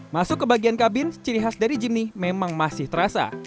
masuk ke bagian kabin ciri khas dari jimmy memang masih terasa